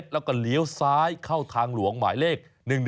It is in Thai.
แล้วก็เลี้ยวซ้ายเข้าทางหลวงหมายเลข๑๑